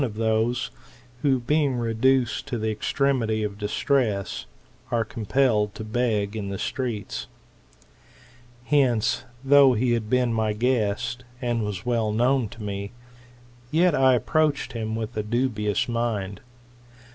4 tHfi METAMORPHOSIS, OR those who, being reduced to the extremity of distress, are compelled to beg in the streets. Hence, though he had been my guest, and was well known to me,, yet I approached him with a dubious mind.